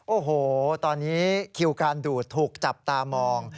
โอ้โหตอนนี้คิวการดูดถูกจับตามอง